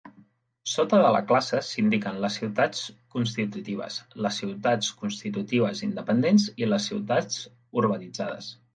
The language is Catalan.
Sota de la classe, s"indiquen les ciutats constitutives, les ciutats constitutives independents i les ciutats urbanitzades.